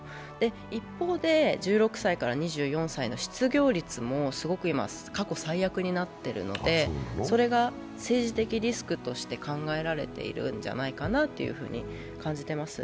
一方で、１６歳から２４歳の失業率もすごく今、過去最悪になっているので、それが政治的リスクとして考えられているんじゃないかなというふうに感じています